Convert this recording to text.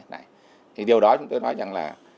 thì điều đó chúng tôi nói rằng là